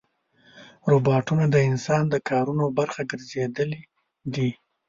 روباټونه د انسان د کارونو برخه ګرځېدلي دي.